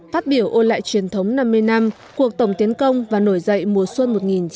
phát biểu ôn lại truyền thống năm mươi năm cuộc tổng tiến công và nổi dậy mùa xuân một nghìn chín trăm bảy mươi năm